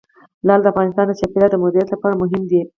لعل د افغانستان د چاپیریال د مدیریت لپاره مهم دي.